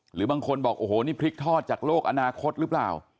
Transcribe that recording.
หรือบางคนบอกโอ้โหนี่พริกทอดจากโลกอนาคตหรือเปล่า